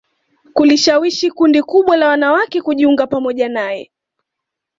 kulishawishi kundi kubwa la wanawake kujiunga pamoja naye